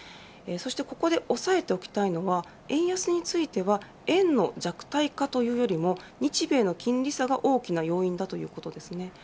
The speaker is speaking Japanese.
ここで押さえておきたいのが円安については円の弱体化というよりも日米の金利差が大きな要因だということですね。